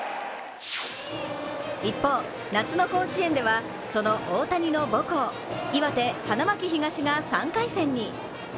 一方、夏の甲子園ではその大谷の母校、岩手・花巻東が３回戦に。